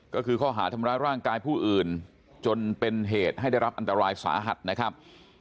ก็คือข้อหาทำร้ายร่างกายผู้อื่นจนเป็นเหตุให้ได้รับอันตรายสาหัสนะครับ